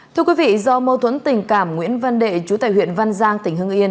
thưa quý vị do mâu thuẫn tình cảm nguyễn văn đệ chú tài huyện văn giang tỉnh hưng yên